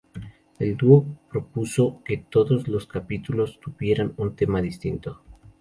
El dúo propuso que todos los capítulos tuvieran un tema distinto.